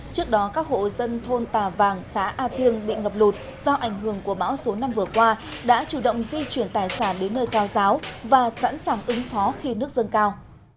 trước đó các hộ dân thôn tà vàng xã a tiêng bị ngập lụt do ảnh hưởng của bão số năm vừa qua đã chủ động di chuyển tài sản đến nơi cao giáo và sẵn sàng ứng phó khi nước dâng cao